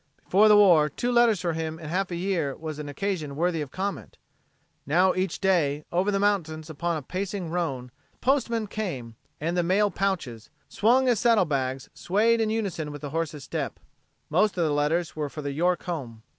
Before the war two letters for him in half a year was an occasion worthy of comment. Now each day, over the mountains upon a pacing roan, the postman came, and the mail pouches, swung as saddle bags, swayed in unison with the horse's step. Most of the letters were for the York home.